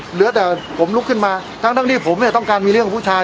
เหลือแต่ผมลุกขึ้นมาทั้งที่ผมเนี่ยต้องการมีเรื่องของผู้ชาย